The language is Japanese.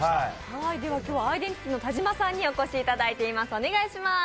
今日はアイデンティティ・田島さんに来ていただいています。